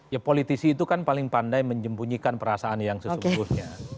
ya politisi itu kan paling pandai menjempunyikan perasaan yang sesungguhnya